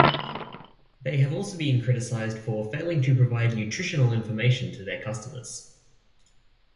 They have also been criticised for failing to provide nutritional information to their customers.